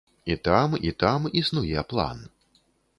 І там, і там існуе план.